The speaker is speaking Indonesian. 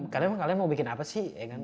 kadang kalian mau bikin apa sih